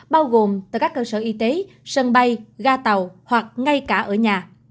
bao gồm từ các cơ sở y tế sân bay ga tàu hoặc ngay cả ở nhà